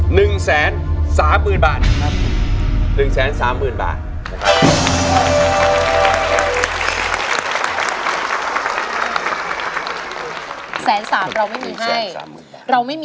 หนึ่งแสนสามหมื่นบาท